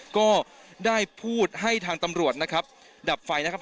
ก็ได้พูดให้ทางตำรวจนะครับดับไฟนะครับ